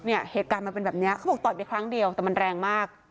เหตุการณ์มันเป็นแบบเนี้ยเขาบอกต่อยไปครั้งเดียวแต่มันแรงมาก